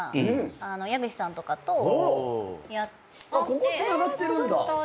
ここつながってるんだ。